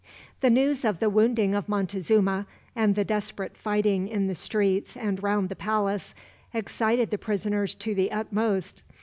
The news of the wounding of Montezuma, and the desperate fighting in the streets and round the palace, excited the prisoners to the utmost.